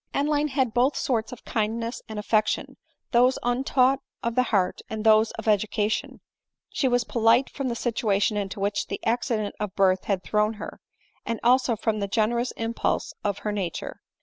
Adeline had both sorts of kindness and affection, those untaught of the heart, and those of education ; she was polite from the situation into which the accident of birth had thrown her, and also from the generous impulse of her nature.